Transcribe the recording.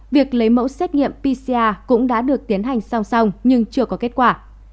việc lấy mẫu xét nghiệm pcr cũng đã được tiến hành song song nhưng chưa có kết quả